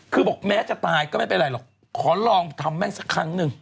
คือบอกแม้จะตายก็ไม่เป็นไรหรอกขอลองทำแม่งสักครั้งหนึ่ง